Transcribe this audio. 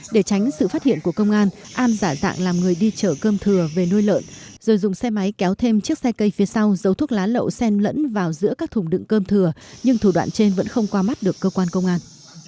để tránh sự phát hiện của công an an giả dạng làm người đi chở cơm thừa về nuôi lợn rồi dùng xe máy kéo thêm chiếc xe cây phía sau giấu thuốc lá lậu sen lẫn vào giữa các thùng đựng cơm thừa nhưng thủ đoạn trên vẫn không qua mắt được cơ quan công an